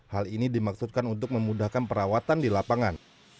hal ini dimaksudkan untuk memudahkan perawatan di lapangan